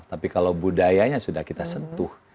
tapi kalau budayanya sudah kita sentuh